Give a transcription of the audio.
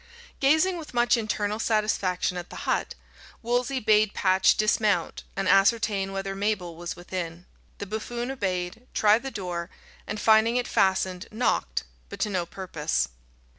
Gazing with much internal satisfaction at the hut, Wolsey bade Patch dismount, and ascertain whether Mabel was within. The buffoon obeyed, tried the door, and finding it fastened, knocked, but to no purpose.